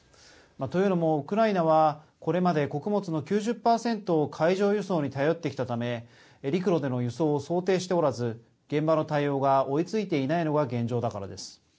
というのもウクライナはこれまで穀物の９０％を海上輸送に頼ってきたため陸路での輸送を想定しておらず現場の対応が追いついていないのが現状だからです。